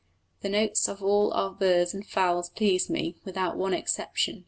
The notes of all our birds and fowls please me, without one exception.